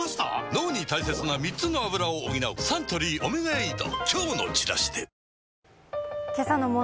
脳に大切な３つのアブラを補うサントリー「オメガエイド」